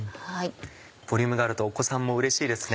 ボリュームがあるとお子さんもうれしいですね。